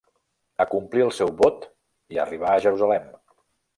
Acomplí el seu vot i arribà a Jerusalem.